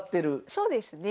そうですね。